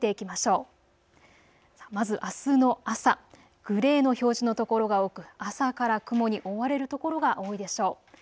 まず、あすの朝、グレーの表示の所が多く朝から雲に覆われる所が多いでしょう。